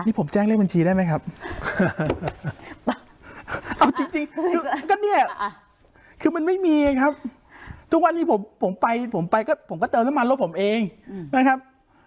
นี่ผมแจ้งเลขบัญชีได้ไหมครับ